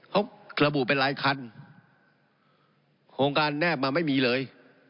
เขาระบุเป็นรายคันโครงการแนบมาไม่มีเลย